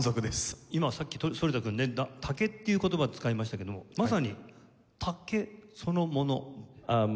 今さっき反田君ね竹っていう言葉を使いましたけどもまさに竹そのもの。